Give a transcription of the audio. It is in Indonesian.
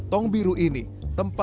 tidak ada apa apa